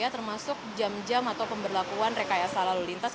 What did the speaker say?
termasuk jam jam atau pemberlakuan rekayasa lalu lintas